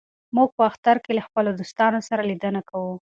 موږ په اختر کې له خپلو دوستانو سره لیدنه کوو.